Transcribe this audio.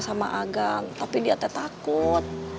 sama agang tapi dia takut